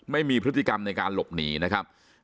ไม่มีพฤติกรรมในการหลบหนีนะครับ